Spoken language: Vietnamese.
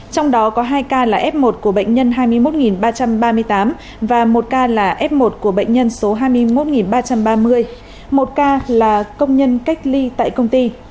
trong đó có hai ca là f một của bệnh nhân hai mươi một ba trăm ba mươi tám và một ca là f một của bệnh nhân số hai mươi một ba trăm ba mươi một ca là công nhân cách ly tại công ty